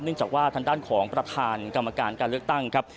จากว่าทางด้านของประธานกรรมการการเลือกตั้งครับ